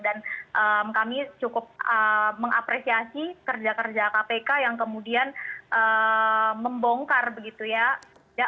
dan kami cukup mengapresiasi kerja kerja kpk yang kemudian membongkar begitu ya